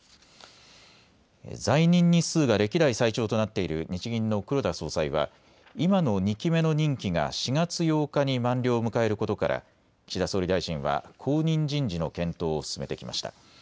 在任日数が歴代最長となっている日銀の黒田総裁は、今の２期目の任期が４月８日に満了を迎えることから、岸田総理大臣は、後任人事の検討を進めてきました。